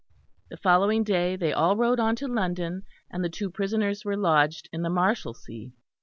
The following day they all rode on to London, and the two prisoners were lodged in the Marshalsea.